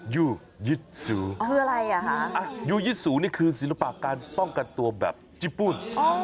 ยูยึดสูคืออะไรอ่ะคะยูยิตสูงนี่คือศิลปะการป้องกันตัวแบบญี่ปุ่น